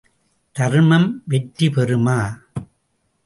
தர்மம் வெற்றி பெறுமா?